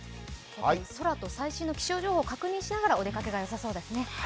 空と最新の気象情報を確認しながらお出かけがよさそうですね。